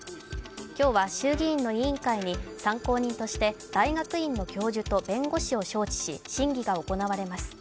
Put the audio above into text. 今日は衆議院の委員会に参考人として大学院の教授と弁護士を招致し審議が行われます。